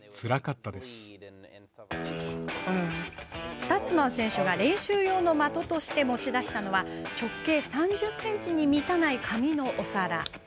スタッツマン選手が練習用の的として持ち出したのは直径３０ｃｍに満たない紙のお皿。